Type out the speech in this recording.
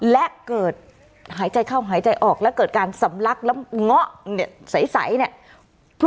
หายใจเข้าหายใจออกและเกิดการสำลักเหงาะใสเนี่ย